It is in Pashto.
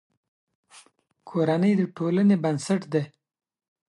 کورنۍ د ټولنې بنسټ دی.